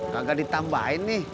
gagak ditambahin nih